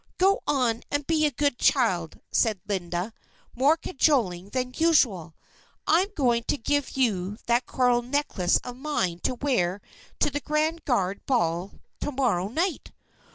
"Go on and be a good child," said Linda, more cajoling than usual. "I'm going to give you that coral necklace of mine to wear to the Grand Guard Ball tomorrow night."